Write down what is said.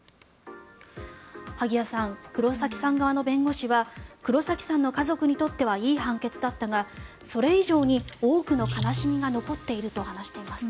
萩谷さん、黒崎さん側の弁護士は黒崎さんの家族にとってはいい判決だったがそれ以上に多くの悲しみが残っていると話しています。